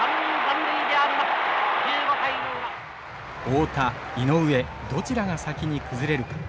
太田井上どちらが先に崩れるか。